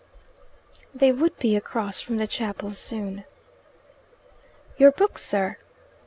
They would be across from the chapel soon. "Your book, sir?"